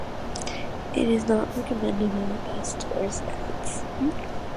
It is not recommended by the best tourist guides.